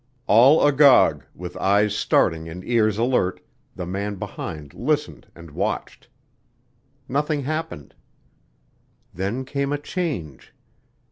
All agog, with eyes starting and ears alert, the man behind listened and watched. Nothing happened. Then came a change.